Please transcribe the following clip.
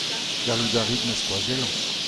Gallout a rit ma skoazellañ.